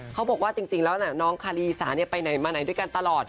เขาบอกว่าจริงแล้วน้องคารีสาไปไหนมาไหนด้วยกันตลอด